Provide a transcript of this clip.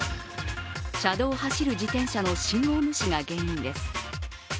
車道を走る自転車の信号無視が原因です。